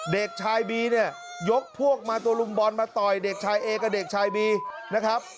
เด็กชายบีเนี่ยยกพวกมาตัวลุมบอลมาต่อยเด็กชายเอกับเด็กชายบีนะครับ